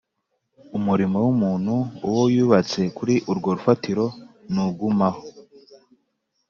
Umurimo w'umuntu, uwo yubatse kuri urwo rufatiro, n'ugumaho,